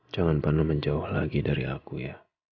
jangan pernah menjauh lagi dari aku ya